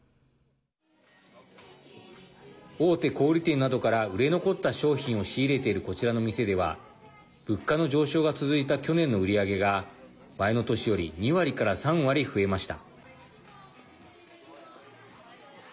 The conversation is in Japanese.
大手小売店などから売れ残った商品を仕入れているこちらの店では物価の上昇が続いた去年の売り上げが前の年より２割から３割、増えました。